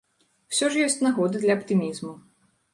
Усё ж ёсць нагоды для аптымізму.